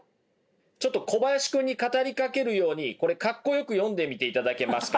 ちょっと小林くんに語りかけるように格好よく読んでみていただけますか？